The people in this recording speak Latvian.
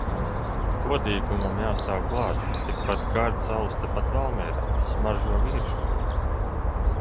Godīgumam jāstāv klāt, tikpat gards alus tepat Valmierā. Smaržo vīrišķīgi.